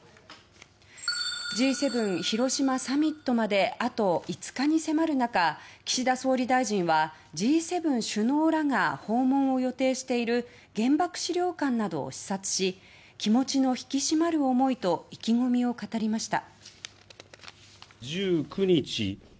Ｇ７広島サミットまであと５日に迫る中岸田総理大臣はＧ７首脳らが訪問を予定している原爆資料館などを視察し気持ちの引き締まる思いと意気込みを語りました。